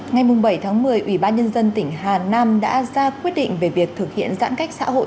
ngày bảy một mươi ủy ban nhân dân tỉnh hà nam đã ra quyết định về việc thực hiện giãn cách xã hội